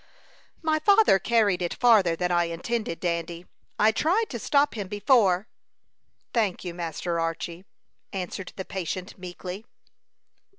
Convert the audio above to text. "My father carried it farther than I intended, Dandy. I tried to stop him before." "Thank you, Master Archy," answered the patient, meekly.